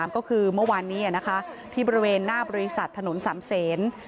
ก็คือเมื่อวานนี้ที่บริเวณหน้าบริษัทถนนสามเศษ